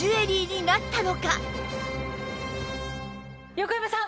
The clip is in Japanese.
横山さん